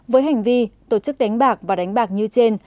với hành vi tổ chức đánh bạc và đánh bạc như trên